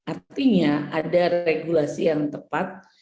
artinya ada regulasi yang tepat